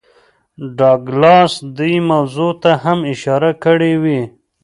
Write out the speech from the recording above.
ډاګلاس دې موضوع ته هم اشارې کړې وې